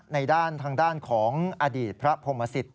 ในด้านทางด้านของอดีตพระพรมศิษฐ